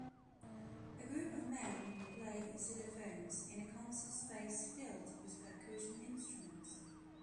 A group of men play xylophones in a concert space filled with percussion instruments.